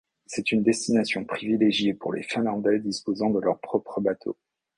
C'est une destination privilégiée pour les Finlandais disposant de leur propre bateau.